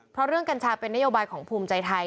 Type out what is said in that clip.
เพราะเรื่องกัญชาเป็นนโยบายของภูมิใจไทย